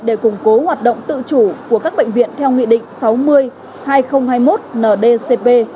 để củng cố hoạt động tự chủ của các bệnh viện theo nghị định sáu mươi hai nghìn hai mươi một ndcp